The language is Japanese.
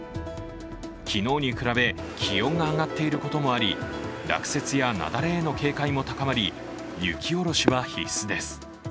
昨日に比べ気温が上がっていることもあり、落雪や雪崩への警戒も高まり、雪下ろしは必須です。